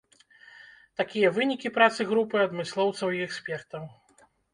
Такія вынікі працы групы адмыслоўцаў і экспертаў.